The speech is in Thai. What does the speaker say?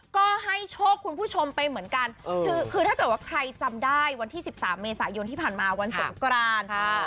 ก็ให้โชคคุณผู้ชมไปเหมือนกันคือถ้าเกิดว่าใครจำได้วันที่๑๓เมษายนที่ผ่านมาวันสงกราน